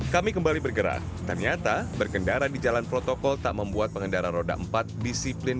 kami kembali bergerak ternyata berkendara di jalan protokol tak membuat pengendara roda empat disiplin